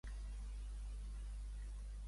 Em pots compartir una humorada que no sigui racista?